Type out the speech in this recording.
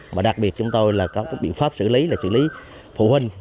và đặc biệt chúng tôi là có biện pháp xử lý để xử lý phụ huynh